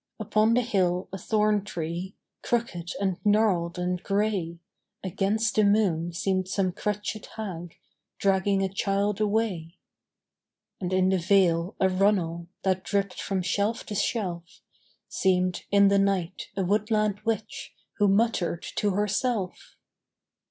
Upon the hill a thorn tree, Crookéd and gnarled and gray, Against the moon seemed some crutched hag Dragging a child away. And in the vale a runnel, That dripped from shelf to shelf, Seemed in the night, a woodland witch Who muttered to herself.